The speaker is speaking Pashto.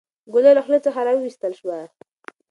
ګوله له خولې څخه راویستل شوه.